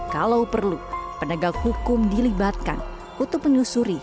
kalau perlu penegak hukum dilibatkan untuk menyusuri